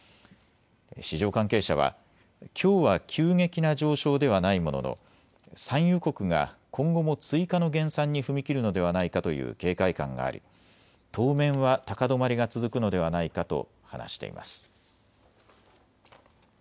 市場関係者はきょうは急激な上昇ではないものの産油国が今後も追加の減産に踏み切るのではないかという警戒感があり当面は高止まりが続くのではないかと話しています。